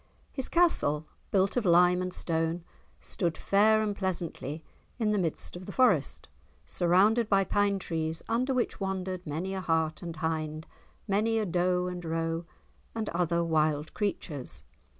His castle, built of lime and stone, stood fair and pleasantly in the midst of the Forest, surrounded by pine trees under which wandered many a hart and hind, many a doe and roe and other wild creatures.